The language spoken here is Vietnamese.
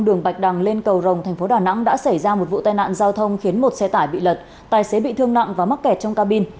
đường bạch đăng lên cầu rồng thành phố đà nẵng đã xảy ra một vụ tai nạn giao thông khiến một xe tải bị lật tài xế bị thương nặng và mắc kẹt trong cabin